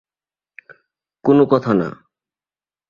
কোনো কথা না।